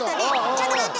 ちょっと待って！